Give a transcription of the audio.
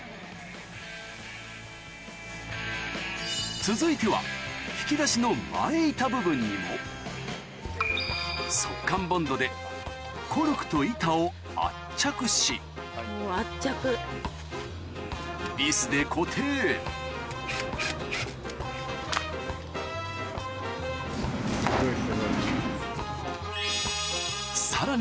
続いては引き出しの前板部分にも速乾ボンドでコルクと板を圧着しビスで固定さらに